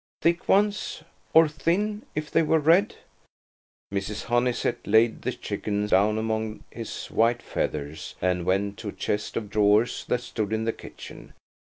Thick ones–or thin, if they were red." Mrs. Honeysett laid the chicken down among his white feathers and went to a chest of drawers that stood in the kitchen.